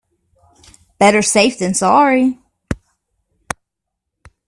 Better safe than sorry.